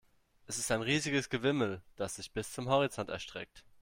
Es ist ein riesiges Gewimmel, das sich bis zum Horizont erstreckt.